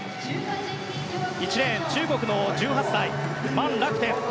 １レーン、中国の１８歳マン・ラクテン。